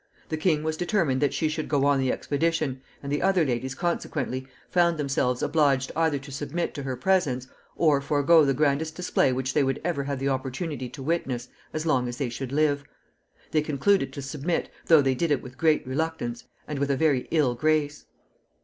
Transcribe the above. The king was determined that she should go on the expedition, and the other ladies consequently found themselves obliged either to submit to her presence, or forego the grandest display which they would ever have the opportunity to witness as long as they should live. They concluded to submit, though they did it with great reluctance and with a very ill grace.